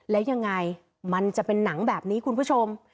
แล้วยังไงมันจะเป็นหนังแบบนี้คุณผู้ชม